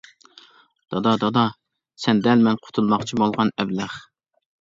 دادا، دادا، سەن دەل مەن قۇتۇلماقچى بولغان ئەبلەخ.